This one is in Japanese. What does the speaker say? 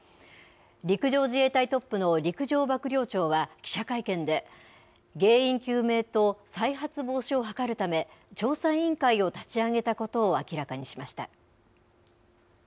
陸上自衛隊トップの陸上幕僚長は記者会見で、原因究明と再発防止を図るため、調査委員会を立ち上げたことを明らかにしました。